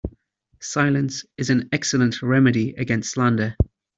Silence is an excellent remedy against slander.